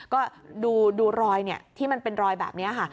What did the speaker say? ก็ดูรอยที่มันเป็นรอยแบบนี้ค่ะ